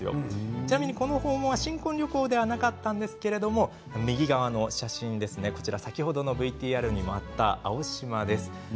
ちなみに、この訪問は新婚旅行ではなかったんですが先ほどのＶＴＲにもあった青島の写真です。